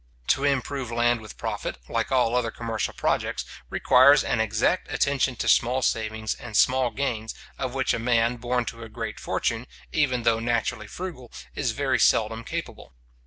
To improve land with profit, like all other commercial projects, requires an exact attention to small savings and small gains, of which a man born to a great fortune, even though naturally frugal, is very seldom capable.